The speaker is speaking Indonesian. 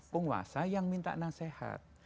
penguasa yang minta nasihat